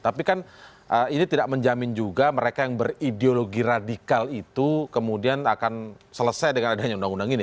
tapi kan ini tidak menjamin juga mereka yang berideologi radikal itu kemudian akan selesai dengan adanya undang undang ini